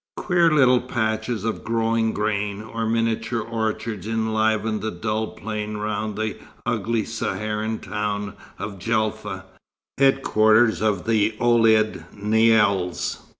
Queer little patches of growing grain, or miniature orchards enlivened the dull plain round the ugly Saharian town of Djelfa, headquarters of the Ouled Naïls.